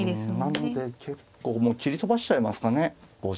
なので結構もう切り飛ばしちゃいますかね。